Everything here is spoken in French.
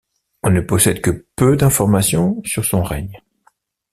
On ne possède que peu d'information sur son règne.